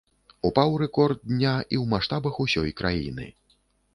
Упаў рэкорд дня і ў маштабах усёй краіны.